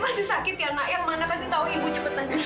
pasti sakit ya nak yang mana kasih tahu ibu cepetan